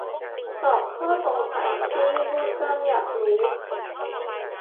ตอบข้อสงสัยที่ลูกจ้างอยากรู้